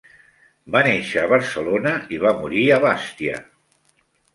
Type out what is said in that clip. Va néixer a Barcelona i va morir a Bastia.